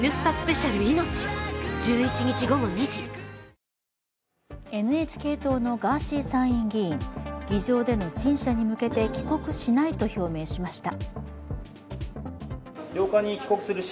ＳＵＮＴＯＲＹＮＨＫ党のガーシー参院議員、議場での陳謝に向けて帰国しないと表明しました。